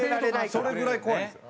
それぐらい怖いんです。